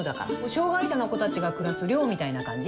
障がい者の子たちが暮らす寮みたいな感じ。